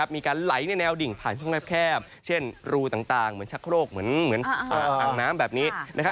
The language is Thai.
มีการไหลในแนวดิ่งผ่านช่องแคบเช่นรูต่างเหมือนชักโครกเหมือนอ่างน้ำแบบนี้